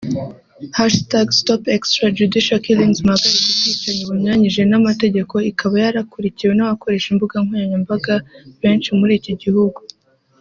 Hashtag #StopExtrajudicialKillings (Muhagarike ubwicanyi bunyuranyije n’amategeko) ikaba yarakurikiwe n’abakoresha imbuga nkoranyambaga benshi muri iki gihugu